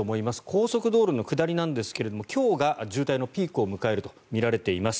高速道路の下りなんですが今日が渋滞のピークを迎えるとみられています。